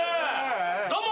・どうも。